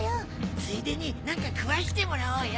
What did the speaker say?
ついでに何か食わせてもらおうよ。